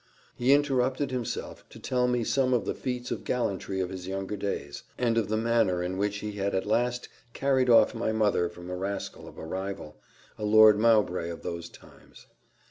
He interrupted himself to tell me some of the feats of gallantry of his younger days, and of the manner in which he had at last carried off my mother from a rascal of a rival a Lord Mowbray of those times.